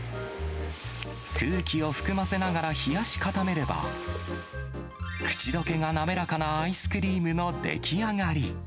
空気を含ませながら冷やし固めれば、口どけが滑らかなアイスクリームの出来上がり。